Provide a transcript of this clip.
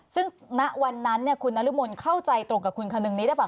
ซึ่งณวันนั้นเนี่ยคุณนรมนธ์เข้าใจตรงกับคุณคนนึงนี้ได้ป่ะคะ